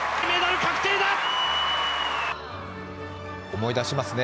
思い出しますね。